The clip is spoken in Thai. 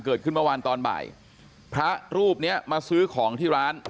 เกิดขึ้นเมื่อวานตอนบ่ายพระรูปเนี้ยมาซื้อของที่ร้าน